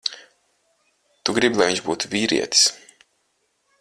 Tu gribi, lai viņš būtu vīrietis.